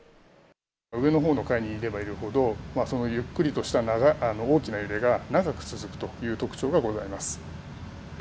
上のほうの階にいればいるほど、そのゆっくりとした長い大きな揺れが、長く続くという特徴がございます。